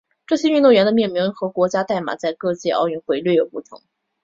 这些运动员的命名和国家代码在各届奥运会略有不同。